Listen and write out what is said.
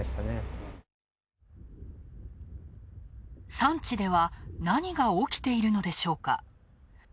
産地では何が起きているのでしょうか。